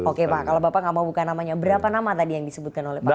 oke pak kalau bapak nggak mau buka namanya berapa nama tadi yang disebutkan oleh pak